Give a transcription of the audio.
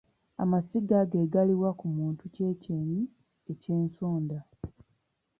Amasiga ge galuwa ku muntu ky'ekyenyi eky'ensonda.